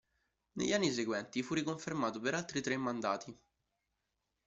Negli anni seguenti fu riconfermato per altri tre mandati.